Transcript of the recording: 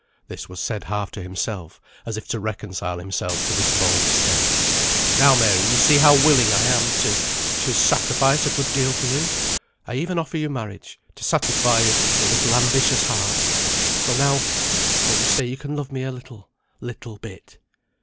(This was said half to himself, as if to reconcile himself to this bold step.) "Now, Mary, you see how willing I am to to sacrifice a good deal for you; I even offer you marriage, to satisfy your little ambitious heart; so, now, won't you say you can love me a little, little bit?"